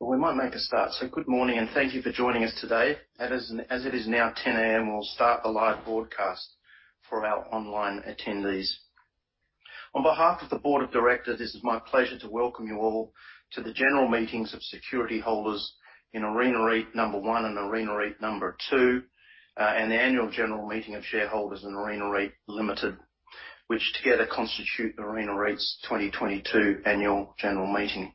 Well, we might make a start. Good morning, and thank you for joining us today. As it is now 10:00 A.M., we'll start the live broadcast for our online attendees. On behalf of the Board of Directors, this is my pleasure to welcome you all to the general meetings of security holders in Arena REIT No. 1 and Arena REIT No. 2, and the annual general meeting of shareholders in Arena REIT Limited, which together constitute Arena REIT's 2022 annual general meeting.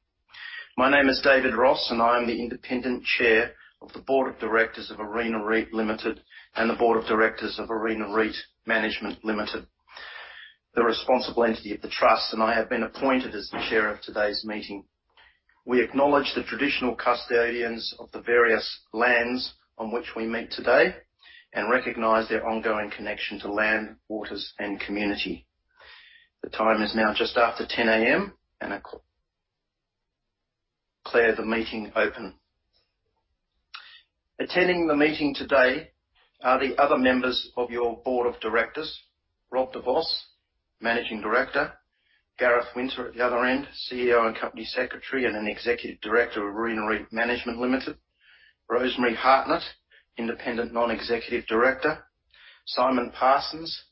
My name is David Ross, and I am the independent Chair of the Board of Directors of Arena REIT Limited and the Board of Directors of Arena REIT Management Limited, the responsible entity of the trust, and I have been appointed as the Chair of today's meeting. We acknowledge the traditional custodians of the various lands on which we meet today and recognize their ongoing connection to land, waters, and community. The time is now just after 10:00 A.M. I declare the meeting open. Attending the meeting today are the other members of your board of directors, Rob de Vos, Managing Director, Gareth Winter at the other end, CFO and Company Secretary and an Executive Director of Arena REIT Management Limited, Rosemary Hartnett, Independent Non-Executive Director, Simon Parsons,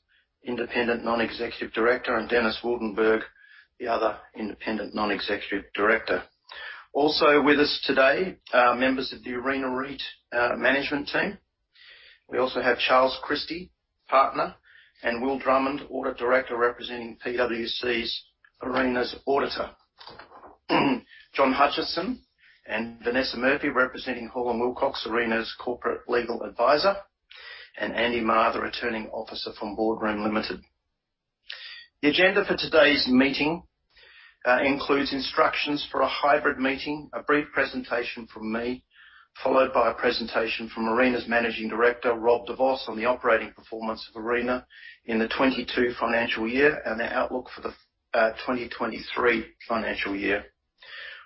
Independent Non-Executive Director, and Dennis Wildenburg, the other Independent Non-Executive Director. Also with us today are members of the Arena REIT management team. We also have Charles Christie, Partner, and Will Drummond, Audit Director representing PwC's Arena's auditor. John Hutchinson and Vanessa Murphy, representing Hall & Wilcox, Arena's corporate legal advisor. Andy Marr, the Returning Officer from Boardroom Limited. The agenda for today's meeting includes instructions for a hybrid meeting, a brief presentation from me, followed by a presentation from Arena's Managing Director, Rob de Vos, on the operating performance of Arena in the 22 financial year and the outlook for the 2023 financial year.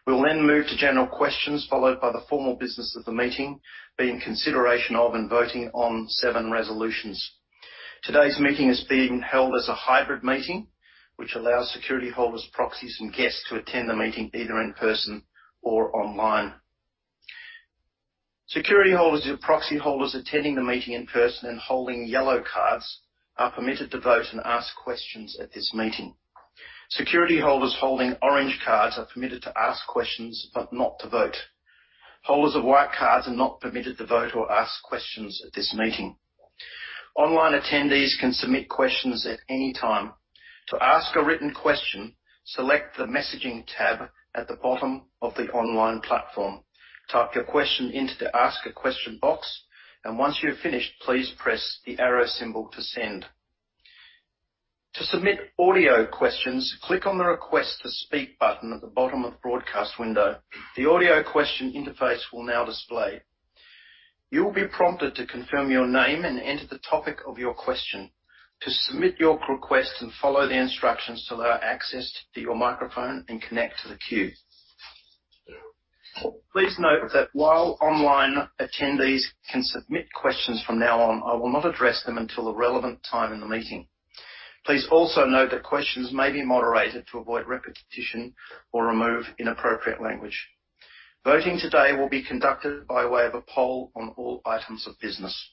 We'll move to general questions, followed by the formal business of the meeting, being consideration of and voting on seven resolutions. Today's meeting is being held as a hybrid meeting, which allows security holders, proxies, and guests to attend the meeting either in person or online. Security holders and proxy holders attending the meeting in person and holding yellow cards are permitted to vote and ask questions at this meeting. Security holders holding orange cards are permitted to ask questions, but not to vote. Holders of white cards are not permitted to vote or ask questions at this meeting. Online attendees can submit questions at any time. To ask a written question, select the Messaging tab at the bottom of the online platform. Type your question into the Ask a Question box, and once you have finished, please press the arrow symbol to send. To submit audio questions, click on the Request to Speak button at the bottom of the broadcast window. The audio question interface will now display. You will be prompted to confirm your name and enter the topic of your question. To submit your request and follow the instructions to allow access to your microphone and connect to the queue. Please note that while online attendees can submit questions from now on, I will not address them until the relevant time in the meeting. Please also note that questions may be moderated to avoid repetition or remove inappropriate language. Voting today will be conducted by way of a poll on all items of business.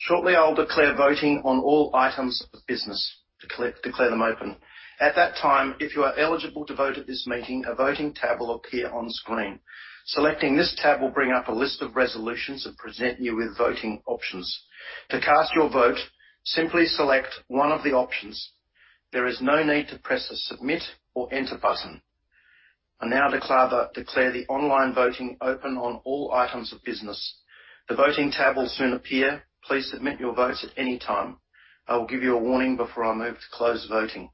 Shortly, I'll declare voting on all items of business to declare them open. At that time, if you are eligible to vote at this meeting, a Voting tab will appear on screen. Selecting this tab will bring up a list of resolutions and present you with voting options. To cast your vote, simply select one of the options. There is no need to press the Submit or Enter button. I now declare the online voting open on all items of business. The Voting tab will soon appear. Please submit your votes at any time. I will give you a warning before I move to close voting.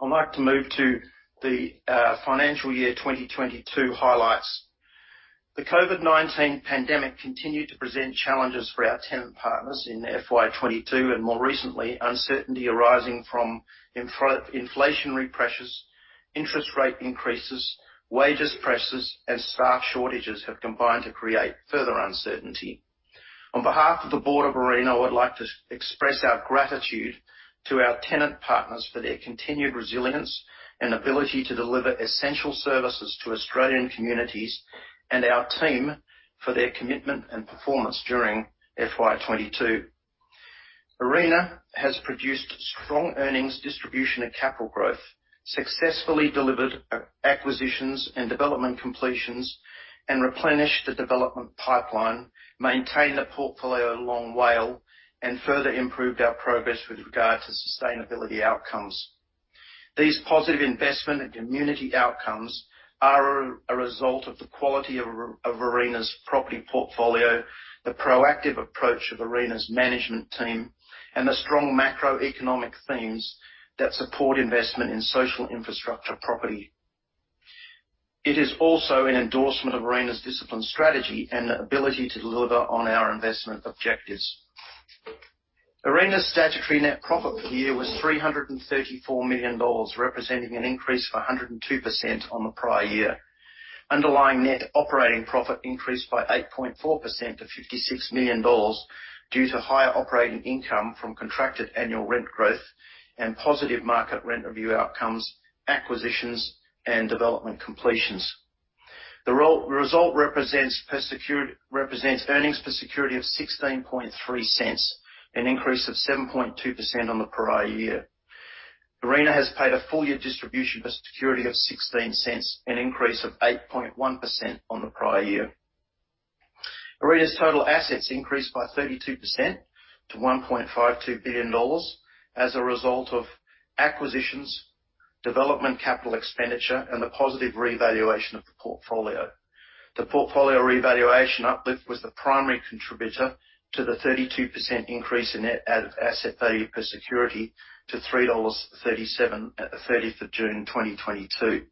I'd like to move to the financial year 2022 highlights. The COVID-19 pandemic continued to present challenges for our tenant partners in FY22 and more recently, uncertainty arising from inflationary pressures, interest rate increases, wages pressures, and staff shortages have combined to create further uncertainty. On behalf of the board of Arena, I would like to express our gratitude to our tenant partners for their continued resilience and ability to deliver essential services to Australian communities and our team for their commitment and performance during FY22. Arena has produced strong earnings distribution and capital growth, successfully delivered acquisitions and development completions, and replenished the development pipeline, maintained a portfolio long WALE, and further improved our progress with regard to sustainability outcomes. These positive investment and community outcomes are a result of the quality of Arena's property portfolio, the proactive approach of Arena's management team, and the strong macroeconomic themes that support investment in social infrastructure property. It is also an endorsement of Arena's discipline strategy and the ability to deliver on our investment objectives. Arena's statutory net profit for the year was $334 million, representing an increase of 102% on the prior year. Underlying net operating profit increased by 8.4% to $56 million due to higher operating income from contracted annual rent growth and positive market rent review outcomes, acquisitions, and development completions. The result represents earnings per security of $0.163, an increase of 7.2% on the prior year. Arena has paid a full-year distribution per security of 0.16, an increase of 8.1% on the prior year. Arena's total assets increased by 32% to 1.52 billion dollars as a result of acquisitions, development capital expenditure and the positive revaluation of the portfolio. The portfolio revaluation uplift was the primary contributor to the 32% increase in net asset value per security to 3.37 dollars at June 30, 2022.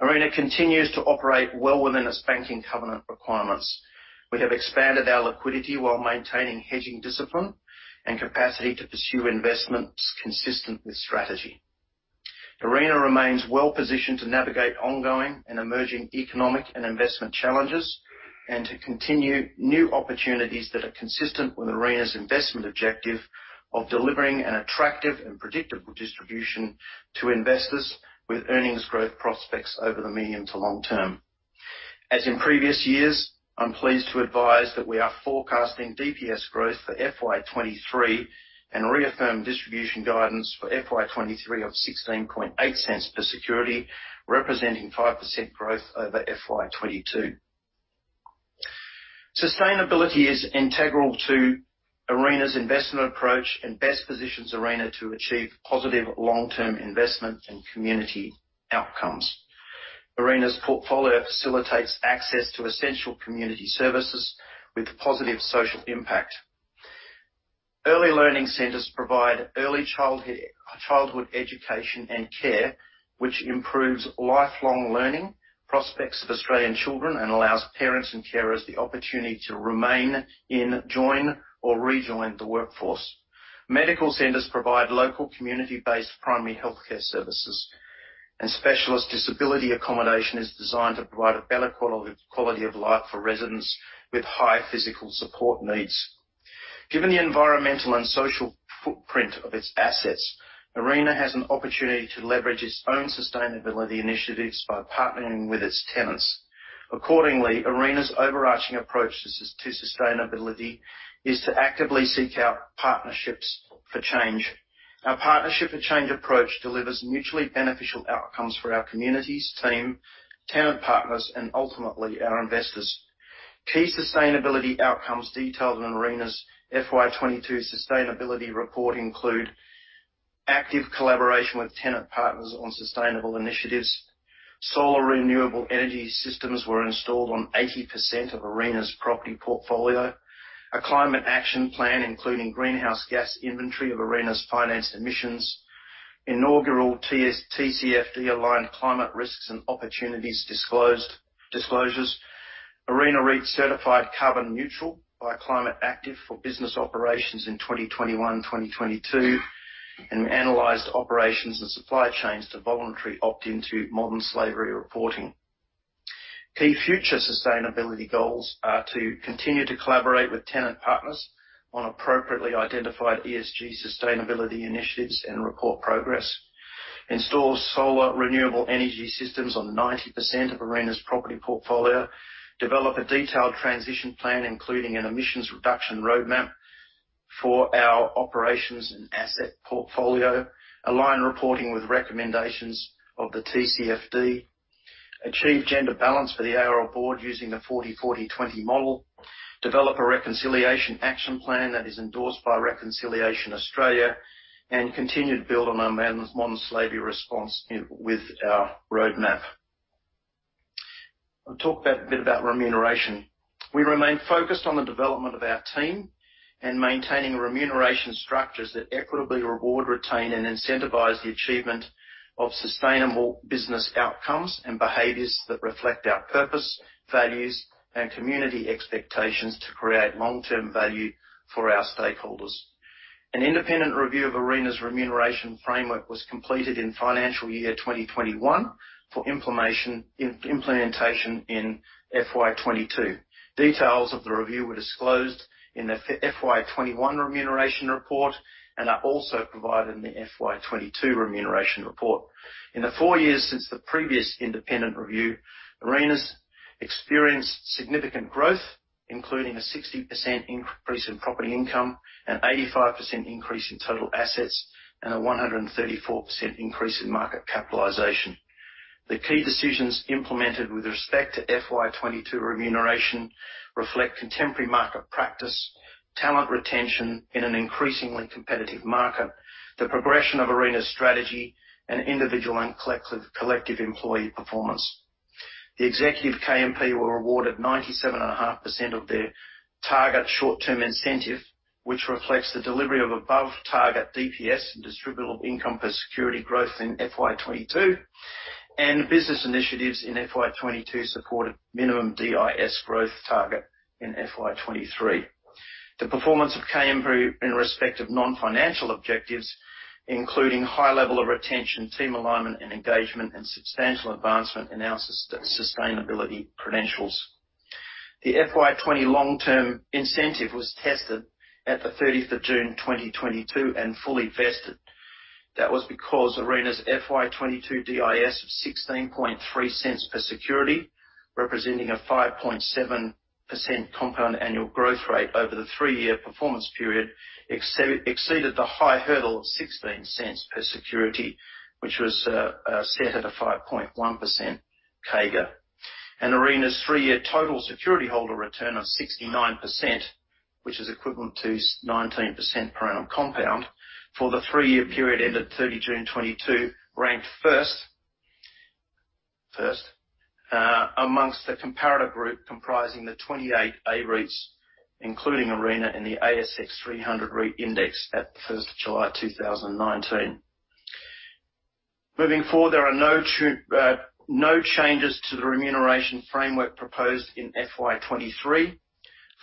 Arena continues to operate well within its banking covenant requirements. We have expanded our liquidity while maintaining hedging discipline and capacity to pursue investments consistent with strategy. Arena remains well-positioned to navigate ongoing and emerging economic and investment challenges. To continue new opportunities that are consistent with Arena's investment objective of delivering an attractive and predictable distribution to investors with earnings growth prospects over the medium to long term. As in previous years, I'm pleased to advise that we are forecasting DPS growth for FY23 and reaffirm distribution guidance for FY23 of 0.168 per security, representing 5% growth over FY22. Sustainability is integral to Arena's investment approach and best positions Arena to achieve positive long-term investment and community outcomes. Arena's portfolio facilitates access to essential community services with positive social impact. Early learning centers provide early childhood education and care, which improves lifelong learning prospects of Australian children and allows parents and carers the opportunity to remain in, join or rejoin the workforce. Medical centers provide local community-based primary healthcare services, specialist disability accommodation is designed to provide a better quality of life for residents with high physical support needs. Given the environmental and social footprint of its assets, Arena has an opportunity to leverage its own sustainability initiatives by partnering with its tenants. Accordingly, Arena's overarching approach to sustainability is to actively seek out partnerships for change. Our partnership for change approach delivers mutually beneficial outcomes for our communities, team, tenant partners and ultimately our investors. Key sustainability outcomes detailed in Arena's FY22 sustainability report include active collaboration with tenant partners on sustainable initiatives. Solar renewable energy systems were installed on 80% of Arena's property portfolio. A climate action plan, including greenhouse gas inventory of Arena's financed emissions. Inaugural TCFD-aligned climate risks and opportunities disclosures. Arena REIT certified carbon neutral by Climate Active for business operations in 2021/2022, analyzed operations and supply chains to voluntary opt into modern slavery reporting. Key future sustainability goals are to continue to collaborate with tenant partners on appropriately identified ESG sustainability initiatives and report progress. Install solar renewable energy systems on 90% of Arena's property portfolio. Develop a detailed transition plan, including an emissions reduction roadmap for our operations and asset portfolio. Align reporting with recommendations of the TCFD. Achieve gender balance for the ARL board using the 40 40 20 model. Develop a reconciliation action plan that is endorsed by Reconciliation Australia, continue to build on our modern slavery response with our roadmap. I'll talk a bit about remuneration. We remain focused on the development of our team and maintaining remuneration structures that equitably reward, retain, and incentivize the achievement of sustainable business outcomes and behaviors that reflect our purpose, values, and community expectations to create long-term value for our stakeholders. An independent review of Arena's remuneration framework was completed in financial year 2021 for implementation in FY22. Details of the review were disclosed in the FY21 remuneration report and are also provided in the FY22 remuneration report. In the four years since the previous independent review, Arena's experienced significant growth, including a 60% increase in property income, an 85% increase in total assets, and a 134% increase in market capitalization. The key decisions implemented with respect to FY22 remuneration reflect contemporary market practice, talent retention in an increasingly competitive market, the progression of Arena's strategy and individual and collective employee performance. The executive KMP were awarded 97.5% of their target short-term incentive, which reflects the delivery of above target DPS and distributable income per security growth in FY22, and business initiatives in FY22 supported minimum DIS growth target in FY23. The performance of KMP in respect of non-financial objectives, including high level of retention, team alignment and engagement and substantial advancement in our sustainability credentials. The FY20 long-term incentive was tested at the 30 of June 2022 and fully vested. That was because Arena's FY22 DIS of 0.163 per security, representing a 5.7% compound annual growth rate over the three-year performance period, exceeded the high hurdle of 0.16 per security, which was set at a 5.1% CAGR. Arena's three-year total security holder return of 69%, which is equivalent to 19% per annum compound for the three-year period ended 30 June 2022 ranked first amongst the comparator group comprising the 28 AREITs, including Arena in the ASX 300 REIT index at the 1st of July 2019. Moving forward, there are no changes to the remuneration framework proposed in FY23.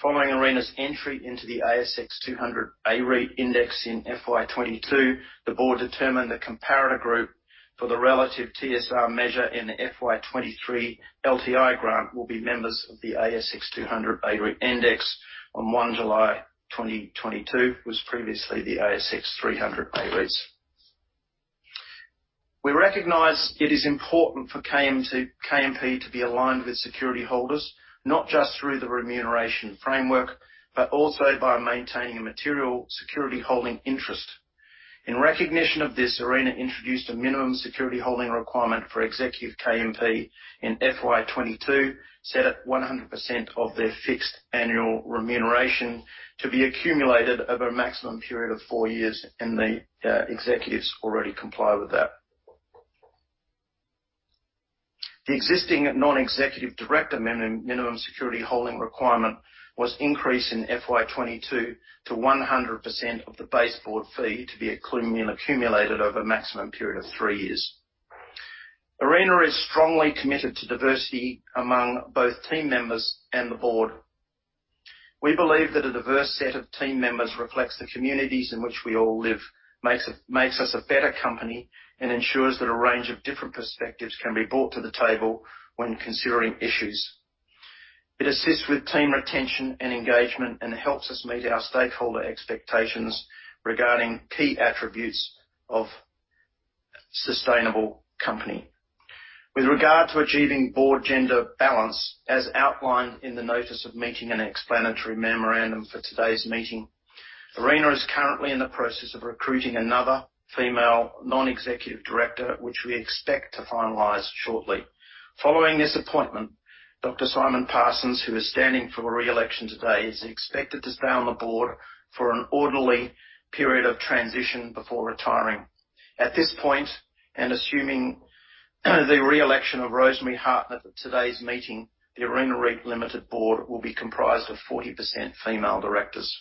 Following Arena's entry into the ASX 200 A-REIT Index in FY22, the board determined the comparator group for the relative TSR measure in the FY23 LTI grant will be members of the ASX 200 A-REIT Index on July 1, 2022, was previously the ASX 300 A-REITs. We recognize it is important for KMP to be aligned with security holders, not just through the remuneration framework, but also by maintaining a material security holding interest. In recognition of this, Arena introduced a minimum security holding requirement for executive KMP in FY22, set at 100% of their fixed annual remuneration to be accumulated over a maximum period of four years, and the executives already comply with that. The existing non-executive director minimum security holding requirement was increased in FY22 to 100% of the base board fee to be accumulated over a maximum period of three years. Arena is strongly committed to diversity among both team members and the board. We believe that a diverse set of team members reflects the communities in which we all live, makes us a better company, and ensures that a range of different perspectives can be brought to the table when considering issues. It assists with team retention and engagement, and helps us meet our stakeholder expectations regarding key attributes of sustainable company. With regard to achieving board gender balance, as outlined in the notice of meeting and explanatory memorandum for today's meeting, Arena is currently in the process of recruiting another female non-executive director, which we expect to finalize shortly. Following this appointment, Dr. Simon Parsons, who is standing for re-election today, is expected to stay on the board for an orderly period of transition before retiring. At this point, and assuming the re-election of Rosemary Hartnett at today's meeting, the Arena REIT Limited board will be comprised of 40% female directors.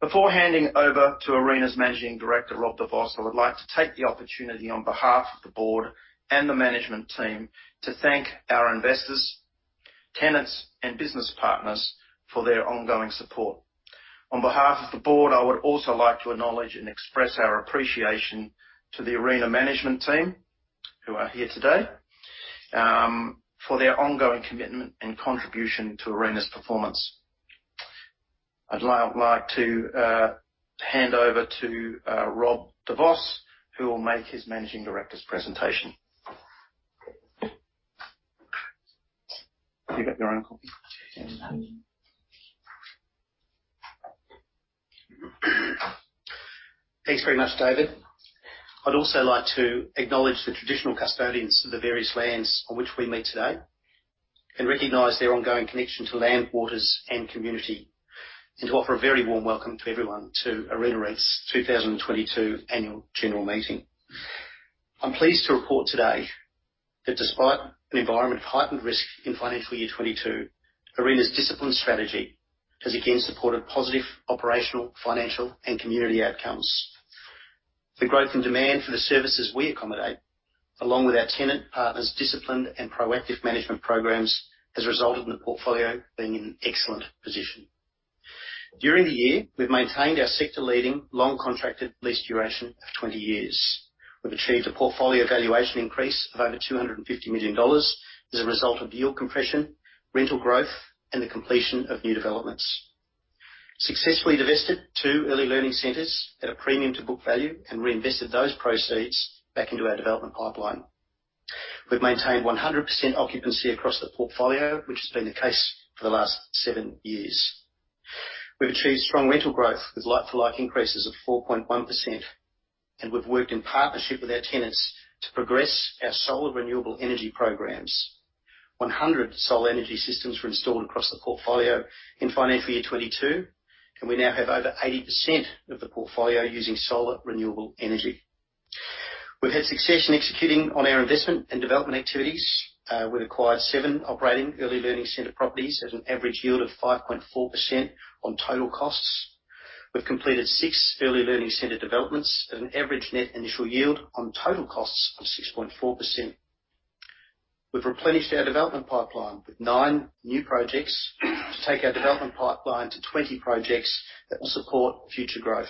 Before handing over to Arena's Managing Director, Rob de Vos, I would like to take the opportunity on behalf of the board and the management team to thank our investors, tenants, and business partners for their ongoing support. On behalf of the board, I would also like to acknowledge and express our appreciation to the Arena management team, who are here today, for their ongoing commitment and contribution to Arena's performance. I'd like to hand over to Rob de Vos, who will make his Managing Director's presentation. Have you got your own copy? Yeah. Thanks very much, David. I'd also like to acknowledge the traditional custodians of the various lands on which we meet today, and recognize their ongoing connection to land, waters, and community, and to offer a very warm welcome to everyone to Arena REIT's 2022 Annual General Meeting. I'm pleased to report today that despite an environment of heightened risk in financial year 22, Arena's disciplined strategy has again supported positive operational, financial, and community outcomes. The growth and demand for the services we accommodate, along with our tenant partners' disciplined and proactive management programs, has resulted in the portfolio being in excellent position. During the year, we've maintained our sector leading long contracted lease duration of 20 years. We've achieved a portfolio valuation increase of over 250 million dollars as a result of yield compression, rental growth, and the completion of new developments. Successfully divested two early learning centers at a premium to book value and reinvested those proceeds back into our development pipeline. We've maintained 100% occupancy across the portfolio, which has been the case for the last seven years. We've achieved strong rental growth with like-for-like increases of 4.1%, and we've worked in partnership with our tenants to progress our solar renewable energy programs. 100 solar energy systems were installed across the portfolio in financial year 2022, and we now have over 80% of the portfolio using solar renewable energy. We've had success in executing on our investment and development activities. We've acquired 7 operating early learning center properties at an average yield of 5.4% on total costs. We've completed six early learning center developments at an average net initial yield on total costs of 6.4%. We've replenished our development pipeline with nine new projects to take our development pipeline to 20 projects that will support future growth.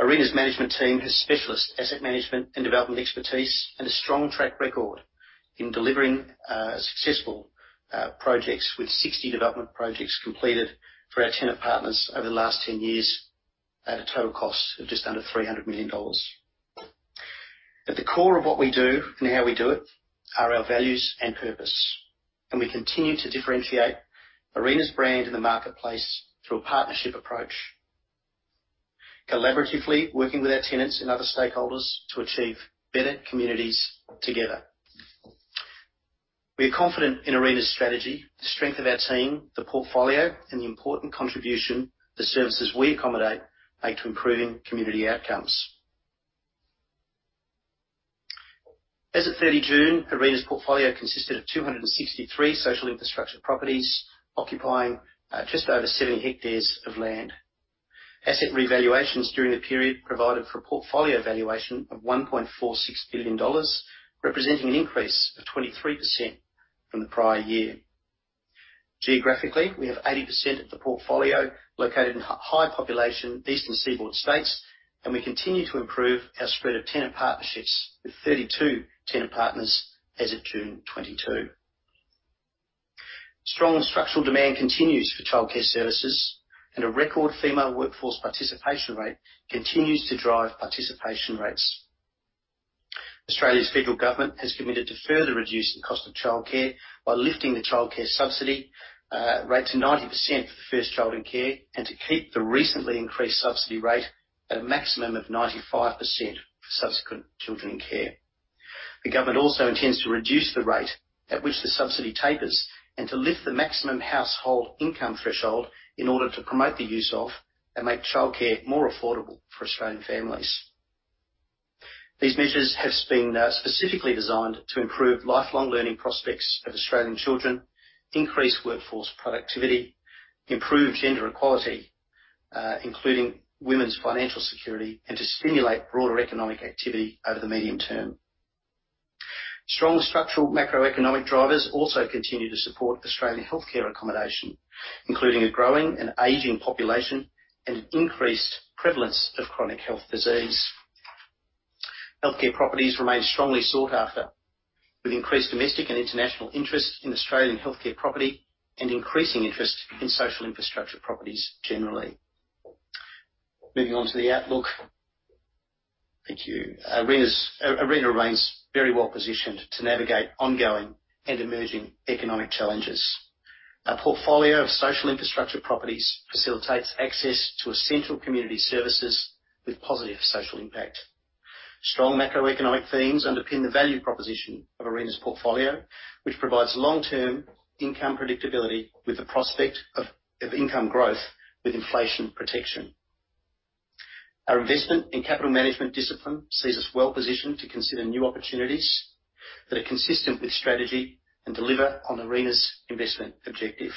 Arena's management team has specialist asset management and development expertise and a strong track record in delivering successful projects with 60 development projects completed for our tenant partners over the last 10 years at a total cost of just under 300 million dollars. At the core of what we do and how we do it are our values and purpose. We continue to differentiate Arena's brand in the marketplace through a partnership approach. Collaboratively working with our tenants and other stakeholders to achieve better communities together. We are confident in Arena's strategy, the strength of our team, the portfolio, and the important contribution the services we accommodate make to improving community outcomes. As of 30 June, Arena's portfolio consisted of 263 social infrastructure properties occupying just over 7 hectares of land. Asset revaluations during the period provided for a portfolio valuation of 1.46 billion dollars, representing an increase of 23% from the prior year. Geographically, we have 80% of the portfolio located in high population Eastern Seaboard states, and we continue to improve our spread of tenant partnerships with 32 tenant partners as of June 2022. Strong structural demand continues for childcare services and a record female workforce participation rate continues to drive participation rates. Australia's federal government has committed to further reduce the cost of childcare by lifting the childcare subsidy rate to 90% for the first child in care and to keep the recently increased subsidy rate at a maximum of 95% for subsequent children in care. The government also intends to reduce the rate at which the subsidy tapers and to lift the maximum household income threshold in order to promote the use of and make childcare more affordable for Australian families. These measures have been specifically designed to improve lifelong learning prospects of Australian children, increase workforce productivity, improve gender equality, including women's financial security, and to stimulate broader economic activity over the medium term. Strong structural macroeconomic drivers also continue to support Australian healthcare accommodation, including a growing and aging population and an increased prevalence of chronic health disease. Healthcare properties remain strongly sought after with increased domestic and international interest in Australian healthcare property and increasing interest in social infrastructure properties generally. Moving on to the outlook. Thank you. Arena remains very well positioned to navigate ongoing and emerging economic challenges. Our portfolio of social infrastructure properties facilitates access to essential community services with positive social impact. Strong macroeconomic themes underpin the value proposition of Arena's portfolio, which provides long-term income predictability with the prospect of income growth with inflation protection. Our investment in capital management discipline sees us well positioned to consider new opportunities that are consistent with strategy and deliver on Arena's investment objective.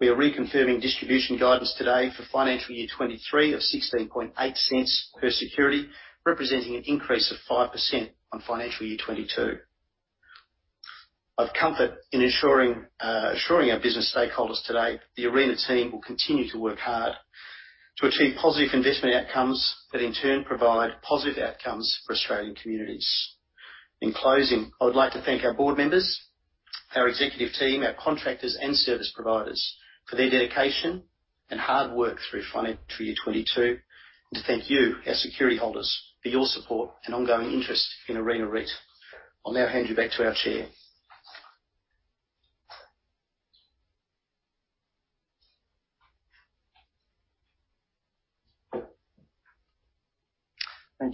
We are reconfirming distribution guidance today for financial year 23 of 0.168 per security, representing an increase of 5% on financial year 22. I've comfort in ensuring, assuring our business stakeholders today the Arena team will continue to work hard to achieve positive investment outcomes that in turn provide positive outcomes for Australian communities. In closing, I would like to thank our board members, our executive team, our contractors, and service providers for their dedication and hard work through financial year 22, and to thank you, our security holders, for your support and ongoing interest in Arena REIT. I'll now hand you back to our chair. Thank you,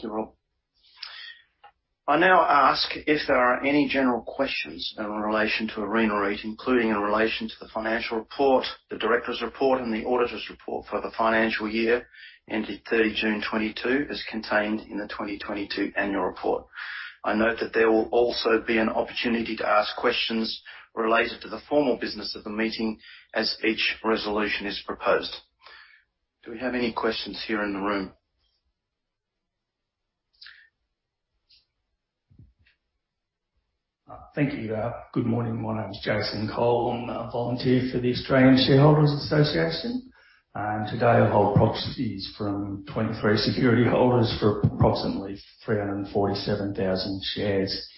Rob. I now ask if there are any general questions in relation to Arena REIT, including in relation to the financial report, the director's report, and the auditor's report for the financial year ending 30 June 2022, as contained in the 2022 annual report. I note that there will also be an opportunity to ask questions related to the formal business of the meeting as each resolution is proposed. Do we have any questions here in the room? Thank you. Good morning. My name is Jason Cole. I'm a volunteer for the Australian Shareholders' Association. Today I hold proxies from 23 security holders for approximately 347,000 shares.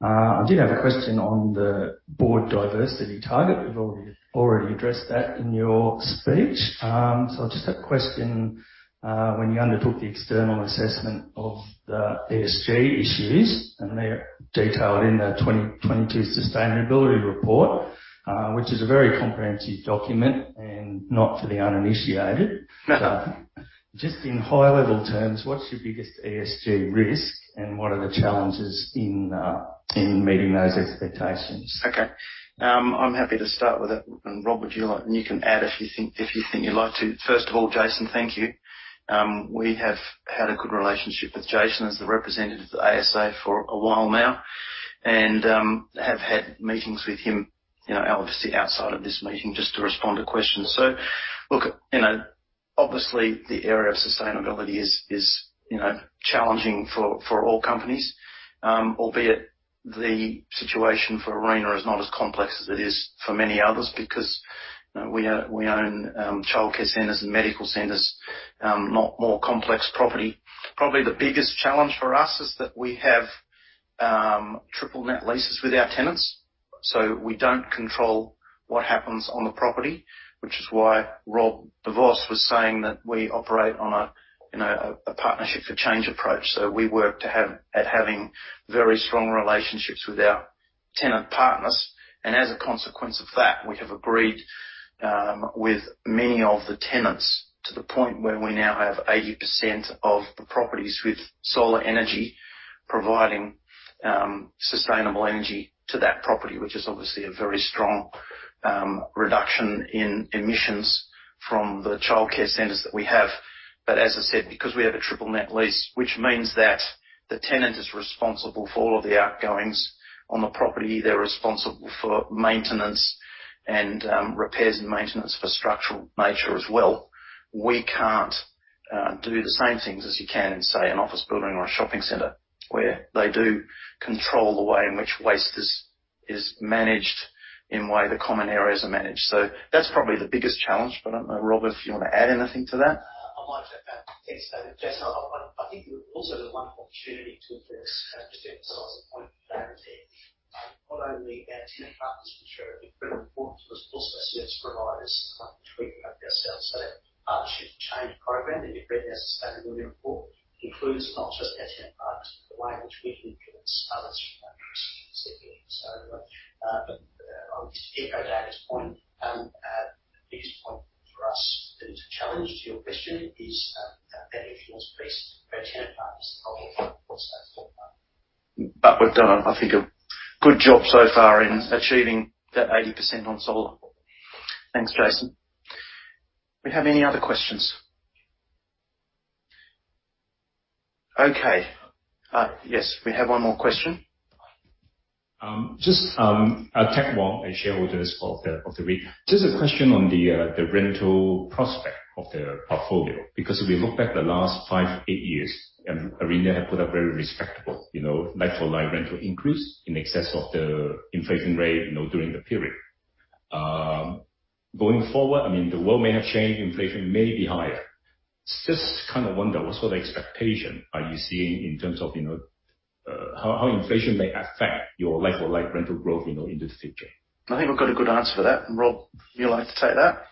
I did have a question on the board diversity target. You've already addressed that in your speech. I just have a question. When you undertook the external assessment of the ESG issues, they're detailed in the 2022 sustainability report, which is a very comprehensive document and not for the uninitiated. Just in high-level terms, what's your biggest ESG risk and what are the challenges in meeting those expectations? Okay. I'm happy to start with that. Rob, you can add if you think, if you think you'd like to. First of all, Jason, thank you. We have had a good relationship with Jason as the representative of the ASA for a while now and have had meetings with him, you know, obviously outside of this meeting, just to respond to questions. Look, you know, obviously the area of sustainability is, you know, challenging for all companies. The situation for Arena is not as complex as it is for many others because, you know, we own childcare centers and medical centers, not more complex property. Probably the biggest challenge for us is that we have triple net leases with our tenants, so we don't control what happens on the property, which is why Rob de Vos was saying that we operate on a, you know, a partnership for change approach. We work at having very strong relationships with our tenant partners. As a consequence of that, we have agreed with many of the tenants to the point where we now have 80% of the properties with solar energy providing sustainable energy to that property, which is obviously a very strong reduction in emissions from the childcare centers that we have. As I said, because we have a triple net lease, which means that the tenant is responsible for all of the outgoings on the property, they're responsible for maintenance and repairs and maintenance for structural nature as well. We can't do the same things as you can in, say, an office building or a shopping center, where they do control the way in which waste is managed, in way the common areas are managed. That's probably the biggest challenge. I don't know, Rob, if you want to add anything to that. I might add that. Yes. Jason, I think also there's a wonderful opportunity to emphasize the point that not only our tenant partners, which are incredibly important to us, also service providers like ourselves. That Partnership Change program, if you've read our sustainability report, includes not just our tenant partners, but the way in which we influence others from that perspective. To echo Dan's point, the biggest point for us that is a challenge to your question is our benefit lease tenant partners of course. We've done, I think, a good job so far in achieving that 80% on solar. Thanks, Jason. Do we have any other questions? Okay. Yes, we have one more question. Just, Teck Wong and shareholders of the just a question on the rental prospect of the portfolio, because if we look back the last five, eight years and Arena have put up very respectable, you know, like-for-like rental increase in excess of the inflation rate, you know, during the period. Going forward, I mean, the world may have changed, inflation may be higher. Just kind of wonder, what's the expectation are you seeing in terms of, you know, how inflation may affect your like-for-like rental growth, you know, in the future? I think we've got a good answer for that. Rob, would you like to take that?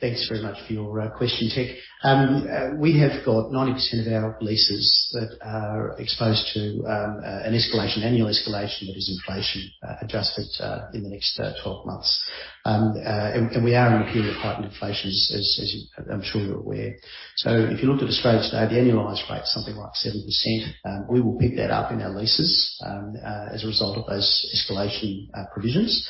Thanks very much for your question, Tech. We have got 90% of our leases that are exposed to an escalation, annual escalation that is inflation adjusted in the next 12 months. We are in a period of heightened inflation as I'm sure you're aware. If you looked at Australia today, the annualized rate is something like 7%. We will pick that up in our leases as a result of those escalation provisions.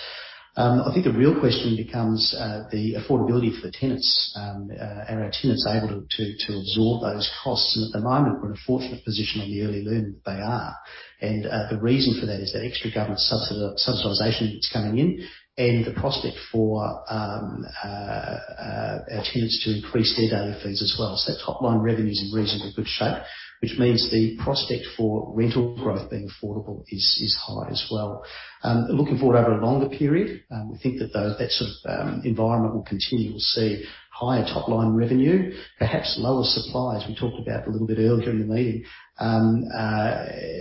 I think the real question becomes the affordability for the tenants. Are our tenants able to absorb those costs? At the moment, we're in a fortunate position on the early learn that they are. The reason for that is the extra government subsidization that's coming in and the prospect for our tenants to increase their daily fees as well. That top line revenue is in reasonably good shape, which means the prospect for rental growth being affordable is high as well. Looking forward over a longer period, we think that that sort of environment will continue. We'll see higher top line revenue, perhaps lower supply, as we talked about a little bit earlier in the meeting,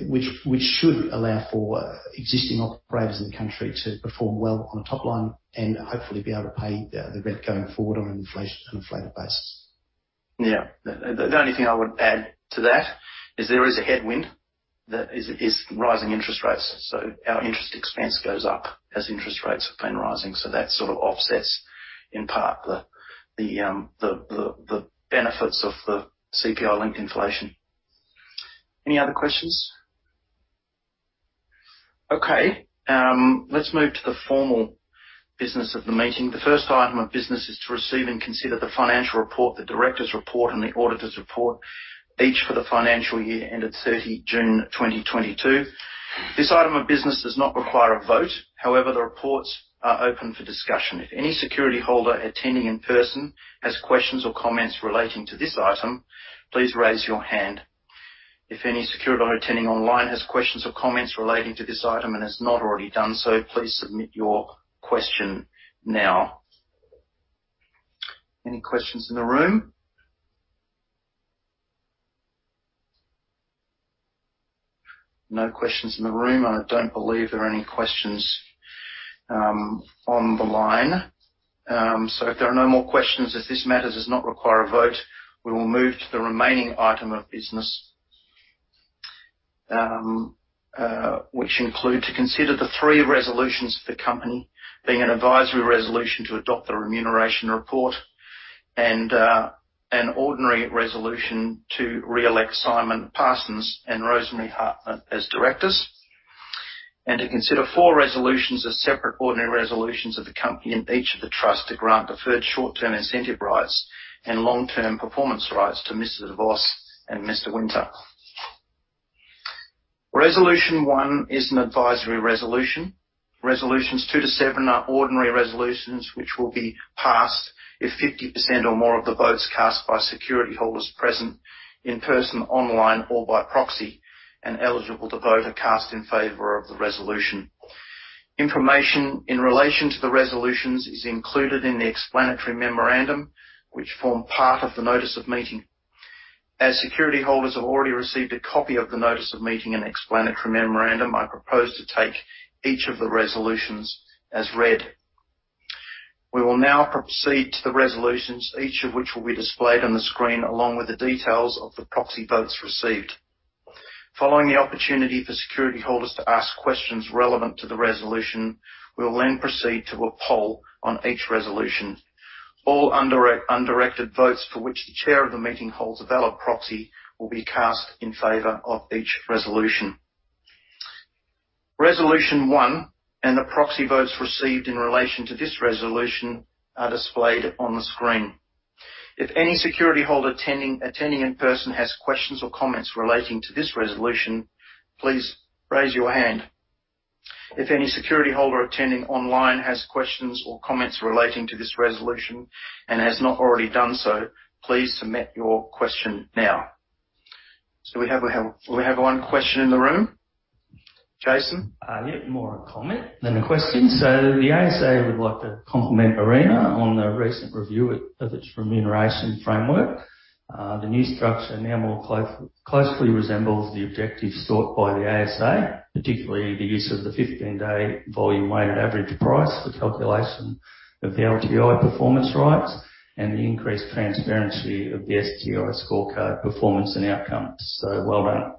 which should allow for existing operators in the country to perform well on the top line and hopefully be able to pay the rent going forward on an inflated basis. The only thing I would add to that is there is a headwind that is rising interest rates. Our interest expense goes up as interest rates have been rising. That sort of offsets in part the, the benefits of the CPI-linked inflation. Any other questions? Okay, let's move to the formal business of the meeting. The first item of business is to receive and consider the financial report, the director's report, and the auditor's report, each for the financial year ended 30 June 2022. This item of business does not require a vote. However, the reports are open for discussion. If any security holder attending in person has questions or comments relating to this item, please raise your hand. If any security holder attending online has questions or comments relating to this item and has not already done so, please submit your question now. Any questions in the room? No questions in the room. I don't believe there are any questions on the line. If there are no more questions, as this matter does not require a vote, we will move to the remaining item of business, which include to consider the three resolutions of the company being an advisory resolution to adopt the remuneration report and an ordinary resolution to re-elect Simon Parsons and Rosemary Hartnett as directors, and to consider four resolutions as separate ordinary resolutions of the company in each of the trusts to grant deferred short-term incentive rights and long-term performance rights to Mr. de Vos and Mr. Winter. Resolution 1 is an advisory resolution. Resolutions two to seven are ordinary resolutions which will be passed if 50% or more of the votes cast by security holders present in person, online, or by proxy and eligible to vote are cast in favor of the resolution. Information in relation to the resolutions is included in the explanatory memorandum, which form part of the notice of meeting. As security holders have already received a copy of the notice of meeting and explanatory memorandum, I propose to take each of the resolutions as read. We will now proceed to the resolutions, each of which will be displayed on the screen, along with the details of the proxy votes received. Following the opportunity for security holders to ask questions relevant to the resolution, we will then proceed to a poll on each resolution. All undirected votes for which the chair of the meeting holds a valid proxy will be cast in favor of each resolution. Resolution 1 and the proxy votes received in relation to this resolution are displayed on the screen. If any security holder attending in person has questions or comments relating to this resolution, please raise your hand. If any security holder attending online has questions or comments relating to this resolution and has not already done so, please submit your question now. We have 1 question in the room. Jason? Yeah, more a comment than a question. The ASA would like to compliment Arena on the recent review of its remuneration framework. The new structure now more closely resembles the objectives sought by the ASA, particularly the use of the 15-day volume weighted average price for calculation of the LTI performance rights and the increased transparency of the STI scorecard performance and outcomes. Well done.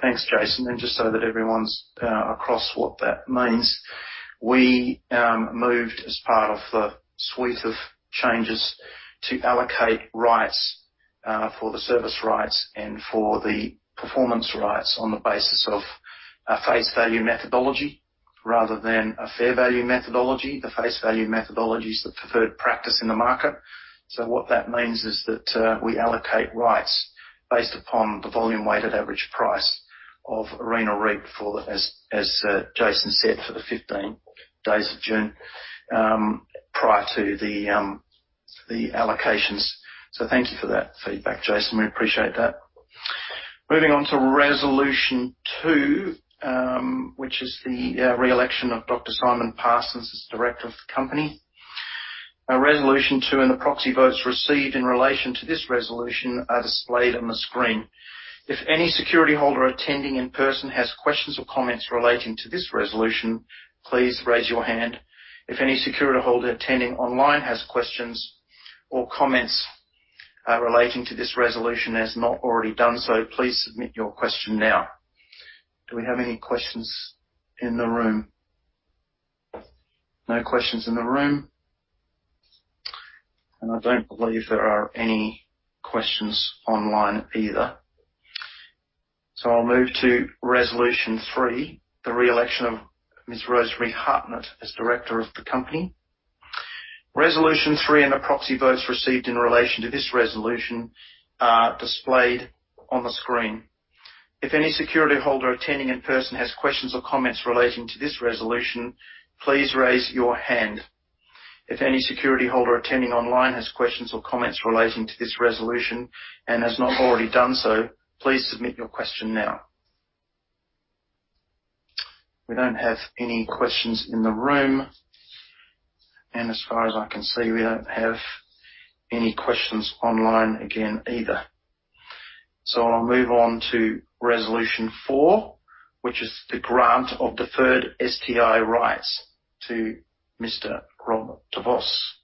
Thanks, Jason. Just so that everyone's across what that means, we moved as part of the suite of changes to allocate rights for the service rights and for the performance rights on the basis of a face value methodology rather than a fair value methodology. The face value methodology is the preferred practice in the market. What that means is that we allocate rights based upon the volume weighted average price of Arena REIT as Jason said, for the 15 days of June prior to the allocations. Thank you for that feedback, Jason. We appreciate that. Moving on to resolution 2, which is the re-election of Dr. Simon Parsons as director of the company. Resolution 2 and the proxy votes received in relation to this resolution are displayed on the screen. If any security holder attending in person has questions or comments relating to this resolution, please raise your hand. If any security holder attending online has questions or comments relating to this resolution and has not already done so, please submit your question now. Do we have any questions in the room? No questions in the room. I don't believe there are any questions online either. I'll move to resolution 3, the re-election of Ms. Rosemary Hartnett as director of the company. Resolution 3 the proxy votes received in relation to this resolution are displayed on the screen. If any security holder attending in person has questions or comments relating to this resolution, please raise your hand. If any security holder attending online has questions or comments relating to this resolution and has not already done so, please submit your question now. We don't have any questions in the room. As far as I can see, we don't have any questions online again either. I'll move on to resolution 4, which is the grant of deferred STI rights to Mr. Rob de Vos.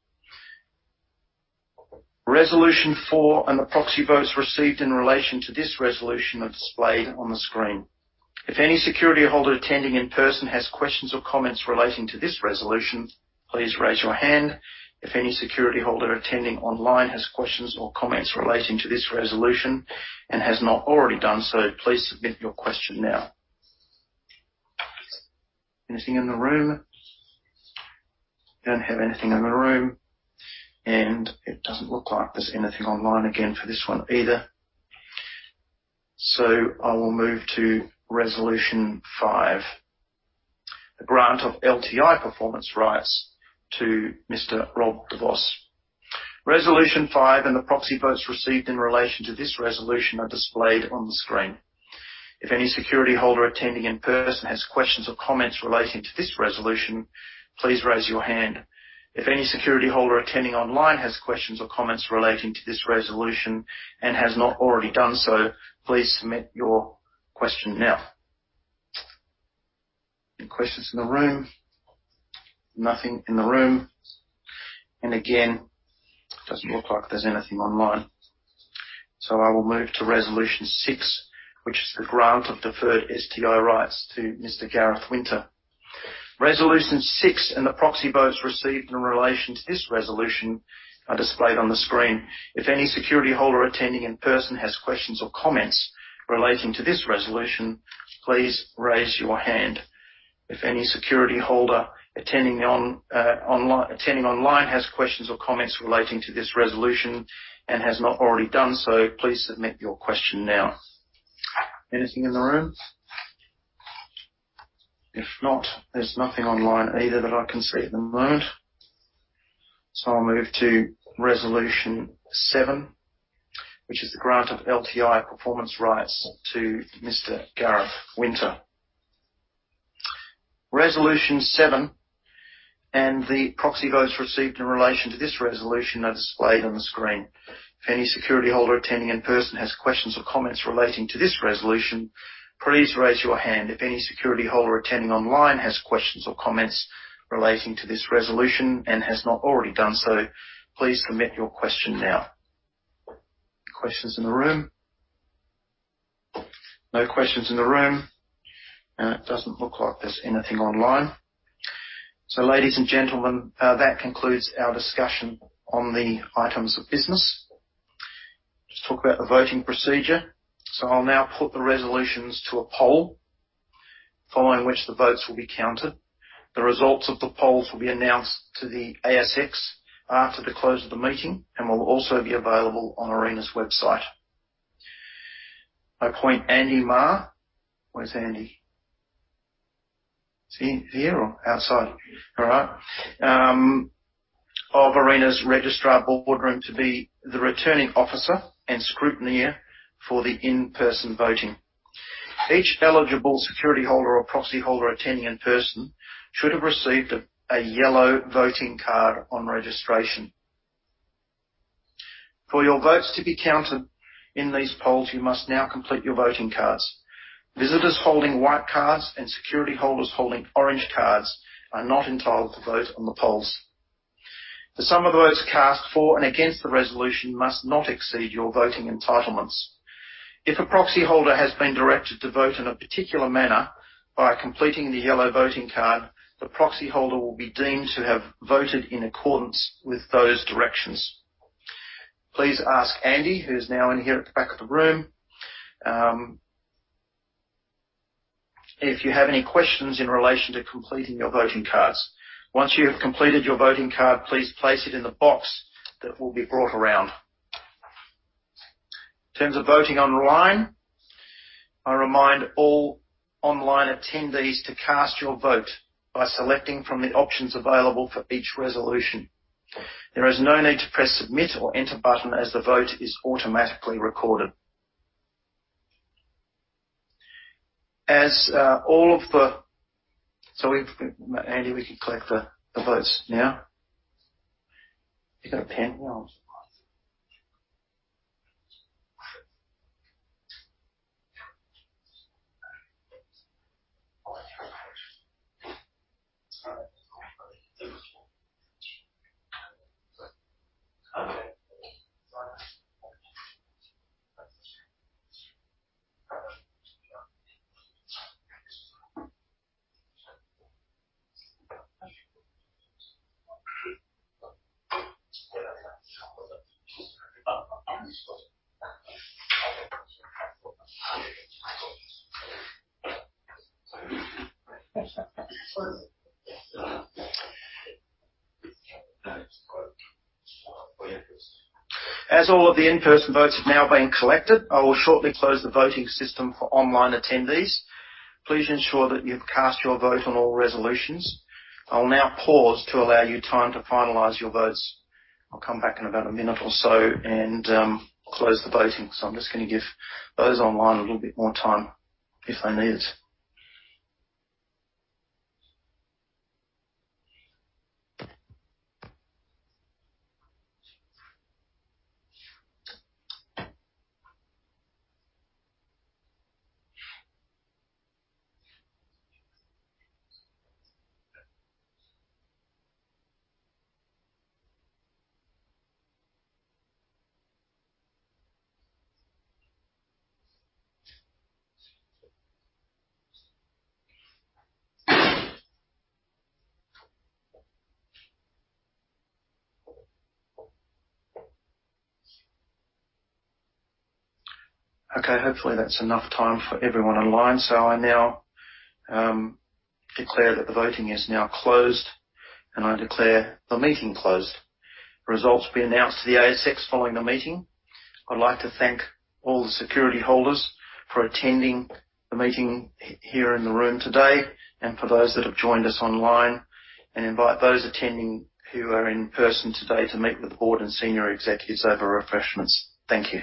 Resolution 4 and the proxy votes received in relation to this resolution are displayed on the screen. If any security holder attending in person has questions or comments relating to this resolution, please raise your hand. If any security holder attending online has questions or comments relating to this resolution and has not already done so, please submit your question now. Anything in the room? Don't have anything in the room, and it doesn't look like there's anything online again for this one either. I will move to resolution 5, the grant of LTI performance rights to Mr. Rob de Vos. Resolution 5 and the proxy votes received in relation to this resolution are displayed on the screen. If any security holder attending in person has questions or comments relating to this resolution, please raise your hand. If any security holder attending online has questions or comments relating to this resolution and has not already done so, please submit your question now. Any questions in the room? Nothing in the room. Again, doesn't look like there's anything online. I will move to Resolution 6, which is the grant of deferred STI rights to Mr. Gareth Winter. Resolution 6 and the proxy votes received in relation to this resolution are displayed on the screen. If any security holder attending in person has questions or comments relating to this resolution, please raise your hand. If any security holder attending online has questions or comments relating to this resolution and has not already done so, please submit your question now. Anything in the room? If not, there's nothing online either that I can see at the moment. I'll move to resolution 7, which is the grant of LTI performance rights to Mr. Gareth Winter. Resolution 7, the proxy votes received in relation to this resolution are displayed on the screen. If any security holder attending in person has questions or comments relating to this resolution, please raise your hand. If any security holder attending online has questions or comments relating to this resolution, and has not already done so, please submit your question now. Questions in the room? No questions in the room. It doesn't look like there's anything online. Ladies and gentlemen, that concludes our discussion on the items of business. Just talk about the voting procedure. I'll now put the resolutions to a poll, following which the votes will be counted. The results of the polls will be announced to the ASX after the close of the meeting and will also be available on Arena's website. I appoint Andy Marr. Where's Andy? Is he here or outside? All right. of Arena's Registrar Boardroom to be the Returning Officer and Scrutineer for the in-person voting. Each eligible security holder or proxy holder attending in person should have received a yellow voting card on registration. For your votes to be counted in these polls, you must now complete your voting cards. Visitors holding white cards and security holders holding orange cards are not entitled to vote on the polls. The sum of votes cast for and against the resolution must not exceed your voting entitlements. If a proxy holder has been directed to vote in a particular manner by completing the yellow voting card, the proxy holder will be deemed to have voted in accordance with those directions. Please ask Andy, who's now in here at the back of the room, if you have any questions in relation to completing your voting cards. Once you have completed your voting card, please place it in the box that will be brought around. In terms of voting online, I remind all online attendees to cast your vote by selecting from the options available for each resolution. There is no need to press submit or enter button as the vote is automatically recorded. Andy, we can collect the votes now. You got a pen? All of the in-person votes have now been collected, I will shortly close the voting system for online attendees. Please ensure that you've cast your vote on all resolutions. I will now pause to allow you time to finalize your votes. I'll come back in about a minute or so and close the voting. I'm just gonna give those online a little bit more time if they need it. Okay, hopefully that's enough time for everyone online. I now declare that the voting is now closed, and I declare the meeting closed. Results will be announced to the ASX following the meeting. I'd like to thank all the security holders for attending the meeting here in the room today and for those that have joined us online, and invite those attending who are in person today to meet with the board and senior executives over refreshments. Thank you.